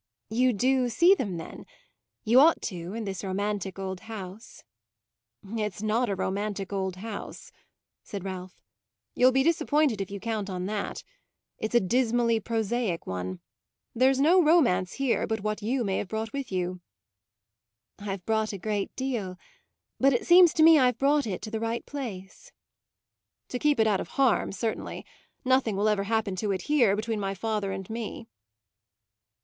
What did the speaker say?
"You do see them then? You ought to, in this romantic old house." "It's not a romantic old house," said Ralph. "You'll be disappointed if you count on that. It's a dismally prosaic one; there's no romance here but what you may have brought with you." "I've brought a great deal; but it seems to me I've brought it to the right place." "To keep it out of harm, certainly; nothing will ever happen to it here, between my father and me."